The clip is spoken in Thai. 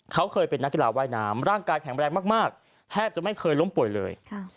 เขาเคยเป็นนักกีฬาว่ายน้ำร่างกายแข็งแรงมากแทบจะไม่เคยล้มป่วยเลย